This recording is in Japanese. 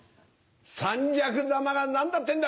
三尺玉が何だってんだ！